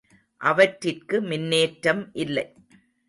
அவற்றிற்கு மின்னேற்றம் இல்லை.